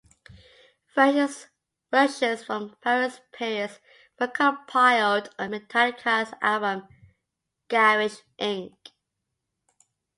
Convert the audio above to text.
Versions from various periods were compiled on Metallica's album "Garage Inc.".